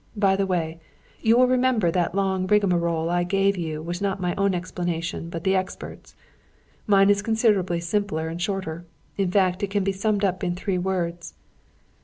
By the way, you will remember that the long rigmarole I gave you was not my own explanation, but the expert's? Mine is considerably simpler and shorter. In fact, it can be summed up in three words."